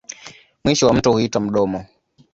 Mwisho wa mto huitwa mdomo.